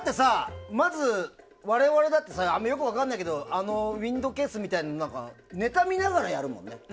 まず、我々だってよく分からないけどウィンドウケースみたいなネタ見ながらやるもんね。